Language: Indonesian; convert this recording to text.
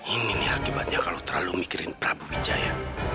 ini nih akibatnya kalau terlalu mikirin prabu wijaya